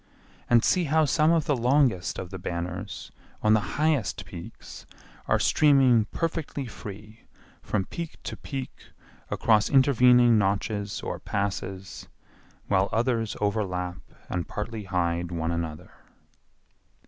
And see how some of the longest of the banners on the highest peaks are streaming perfectly free from peak to peak across intervening notches or passes, while others overlap and partly hide one another.